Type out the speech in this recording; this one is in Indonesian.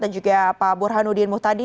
dan juga pak burhanudin muhtadi